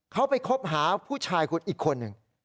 เขาไปคบหาผู้ชายคุณอีกคนหนึ่ง